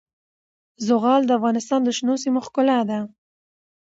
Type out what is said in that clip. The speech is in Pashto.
زغال د افغانستان د شنو سیمو ښکلا ده.